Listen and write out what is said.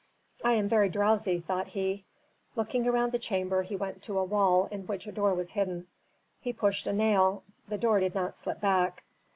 "I am very drowsy," thought he. Looking around the chamber he went to a wall in which a door was hidden. He pushed a nail; the door did not slip back.